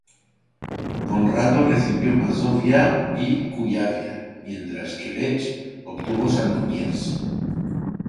Conrado recibió Mazovia y Cuyavia, mientras que Lech obtuvo Sandomierz.